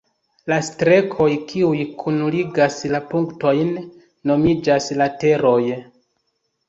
La strekoj, kiuj kunligas la punktojn, nomiĝas lateroj.